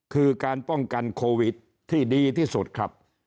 คือการป้องกันโควิดที่ดีที่สุดครับ